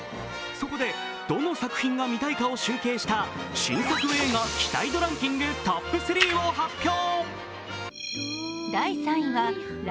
そこで、どの作品が見たいかを集計した新作映画期待度ランキングトップ３を発表。